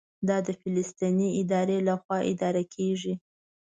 دا د فلسطیني ادارې لخوا اداره کېږي.